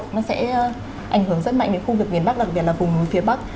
nó sẽ ảnh hưởng rất mạnh đến khu vực miền bắc đặc biệt là vùng núi phía bắc